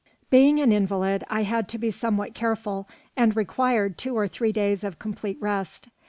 Being an invalid, I had to be somewhat careful, and required two or three days of complete rest.